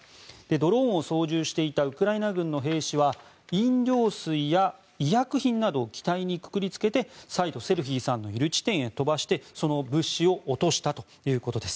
ドローンを操縦していたウクライナ軍の兵士は飲料水や医薬品などを機体にくくりつけて再度、セルヒーさんがいる地点へ飛ばしてその物資を落としたということです。